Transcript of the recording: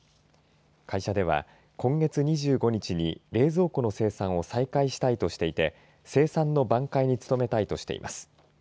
会社では、今月２５日に冷蔵庫の生産を再開したいとしていて生産の挽回に努めたいとしています。